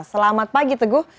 selamat pagi teguh